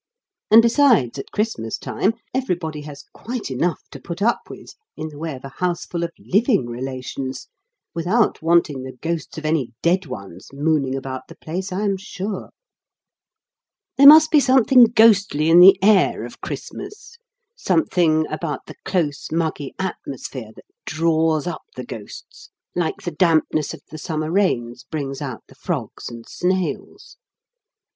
And besides, at Christmas time, everybody has quite enough to put up with in the way of a houseful of living relations, without wanting the ghosts of any dead ones mooning about the place, I am sure. There must be something ghostly in the air of Christmas something about the close, muggy atmosphere that draws up the ghosts, like the dampness of the summer rains brings out the frogs and snails.